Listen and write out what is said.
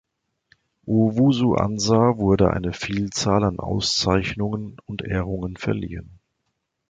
Owusu-Ansah wurde eine Vielzahl an Auszeichnungen und Ehrungen verliehen.